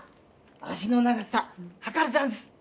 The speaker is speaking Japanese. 足の長さはかるざんす！